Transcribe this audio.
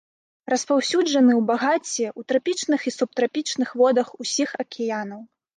Распаўсюджаны ў багацці ў трапічных і субтрапічных водах усіх акіянаў.